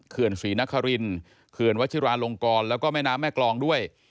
ศรีนครินเขื่อนวัชิราลงกรแล้วก็แม่น้ำแม่กรองด้วย